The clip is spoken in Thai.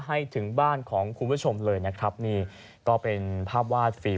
ให้ถึงบ้านของคุณผู้ชมเลยนะครับนี่ก็เป็นภาพวาดฟรี